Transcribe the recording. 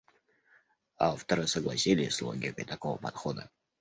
Авторы согласились с логикой такого подхода.